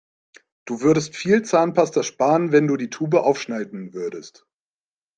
Du würdest viel Zahnpasta sparen, wenn du die Tube aufschneiden würdest.